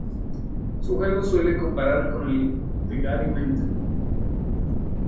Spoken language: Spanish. Su juego se suele comparar con el de Gary Medel.